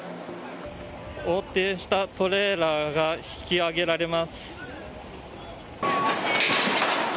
横転したトレーラーが引き上げられます。